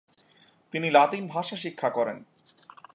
তিনি লাতিন ভাষা শিক্ষা করেন।